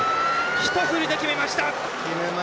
ひと振りで決めました！